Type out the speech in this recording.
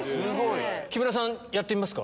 木村さんやってみますか？